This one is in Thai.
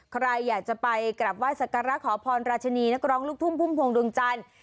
ใครอยากจะไปกลับไหว้สักการะขอพรราชินีนักร้องลูกทุ่งพุ่มพวงดวงจันทร์